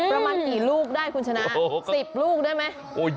ประมาณกี่ลูกได้คุณชนะ๑๐ลูกได้ไหม